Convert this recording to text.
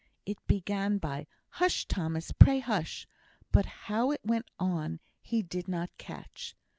It began by "Hush, Thomas; pray hush!" but how it went on he did not catch.